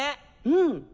うん。